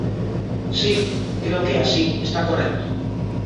Si, creo que é así, está correcto.